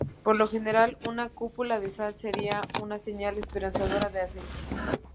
Por lo general, una cúpula de sal sería una señal esperanzadora de aceite.